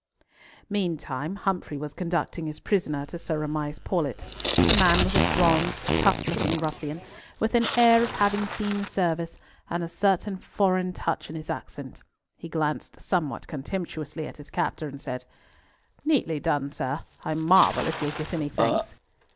Meantime Humfrey was conducting his prisoner to Sir Amias Paulett. The man was a bronzed, tough looking ruffian, with an air of having seen service, and a certain foreign touch in his accent. He glanced somewhat contemptuously at his captor, and said; "Neatly done, sir; I marvel if you'll get any thanks."